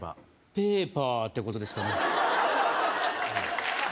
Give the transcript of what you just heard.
ペーパーってことですかね